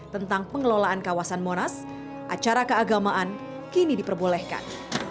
tentang pengelolaan kawasan monas acara keagamaan kini diperbolehkan